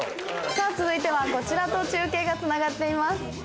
さぁ続いてはこちらと中継がつながっています。